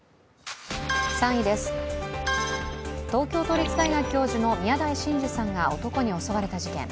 ３位です、東京都立大学教授の宮台真司さんが男に襲われた事件。